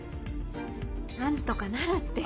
何とかなるって。